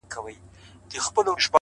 خو چي تر کومه به تور سترگي مینه واله یې؛